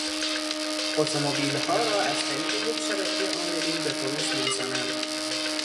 اتومبیلها را از طریق یک شبکه عاملین به فروش میرسانند.